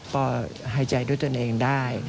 ก็หายใจด้วยตนเองได้